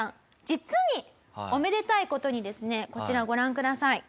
実におめでたい事にですねこちらご覧ください。